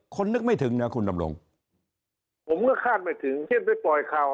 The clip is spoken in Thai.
นึกไม่ถึงนะคุณดำรงผมก็คาดไม่ถึงเช่นไปปล่อยข่าว